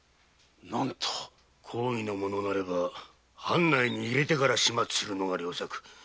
公儀の者なれば藩内に入れてから始末するのが良策。